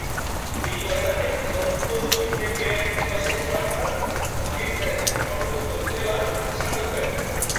Ildo horretatik, sortu litekeen edozein zalantza argitzen lagunduko duela esan dute.